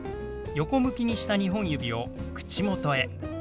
横向きにした２本指を口元へ。